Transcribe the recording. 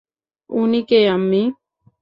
উনি কে, আম্মি?